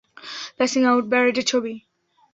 Passing out প্যারেডের ছবি।